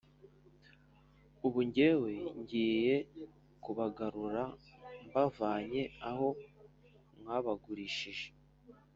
ubu jyewe ngiye kubagarura mbavanye aho mwabagurishije,